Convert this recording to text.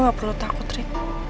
lo gak perlu takut ri